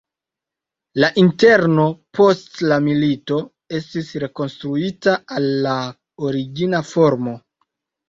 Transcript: La interno post la milito estis rekonstruita al la origina formo.